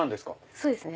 そうですね。